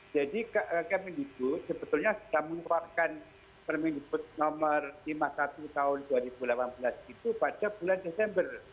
jadi kemendikbud sebetulnya sudah mengeluarkan permendikbud nomor lima puluh satu tahun dua ribu delapan belas itu pada bulan desember